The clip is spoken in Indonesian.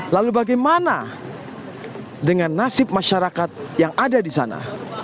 lalu bagaimana dengan nasib masyarakat yang ada di sana